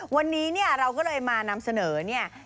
วันนี้เนี่ยเราก็เลยมานำเสนอเนี่ย